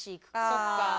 そっか。